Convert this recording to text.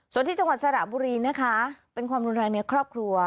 ส่วนที่จังหวัดสระบุรีนะคะเป็นความรุนแรงในครอบครัว